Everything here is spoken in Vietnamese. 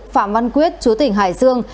phạm văn quyết chúa tỉnh hải dương